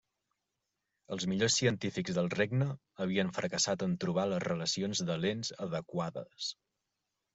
Els millors científics del regne havien fracassat en trobar les relacions de lents adequades.